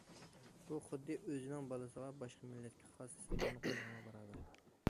بۇ خۇددى ئۆزىنىڭ بالىسىغا باشقا مىللەتكە خاس ئىسىملارنى قويغانغا باراۋەر.